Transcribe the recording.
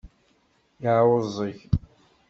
Yeɛẓeg?